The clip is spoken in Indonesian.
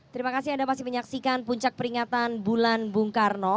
terima kasih anda masih menyaksikan puncak peringatan bulan bung karno